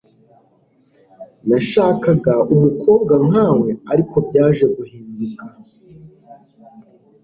Nashakaga umukobwa nkawe ariko byaje guhinduka.